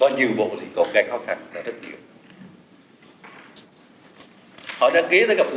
có nhiều bộ thì còn gây khó khăn rất nhiều